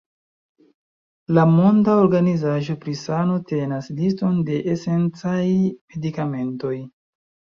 La Monda Organizaĵo pri Sano tenas liston de esencaj medikamentoj.